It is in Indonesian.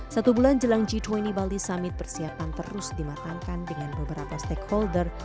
satu bulan jelang g dua puluh bali summit persiapan terus dimatangkan dengan beberapa stakeholder